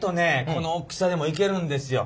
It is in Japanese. このおっきさでもいけるんですよ。